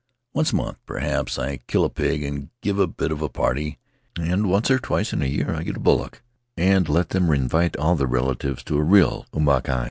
Once a month, perhaps, I kill a pig and give a bit of a party, and once or twice in a year I get a bullock and let them invite all their relatives to a real umukai.